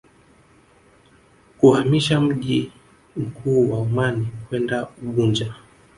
Kuhamisha mji mkuu wa Omani kwenda Unguja